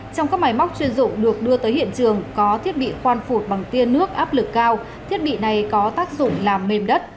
trong các máy móc chuyên dụng được đưa tới hiện trường có thiết bị khoan phụt bằng tiên nước áp lực cao thiết bị này có tác dụng làm mềm đất